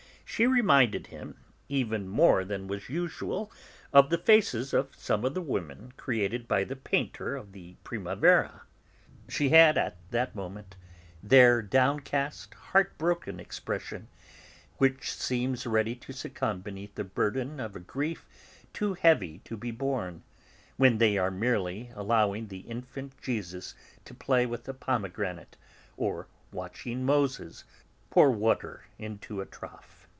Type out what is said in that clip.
She reminded him, even more than was usual, of the faces of some of the women created by the painter of the Primavera.' She had, at that moment, their downcast, heartbroken expression, which seems ready to succumb beneath the burden of a grief too heavy to be borne, when they are merely allowing the Infant Jesus to play with a pomegranate, or watching Moses pour water into a trough.